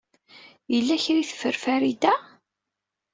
Yella kra ay teffer Farida?